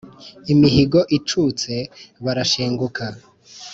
imihigo icutse barashenguruka.